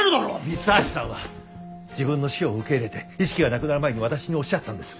三橋さんは自分の死を受け入れて意識がなくなる前に私におっしゃったんです。